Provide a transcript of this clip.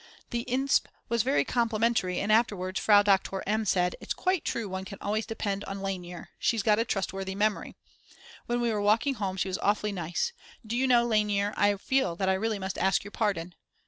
The insp. was very complimentary and afterwards Frau Doktor M. said: its quite true one can always depend upon Lainer; she's got a trustworthy memory. When we were walking home she was awfully nice: "Do you know, Lainer, I feel that I really must ask your pardon."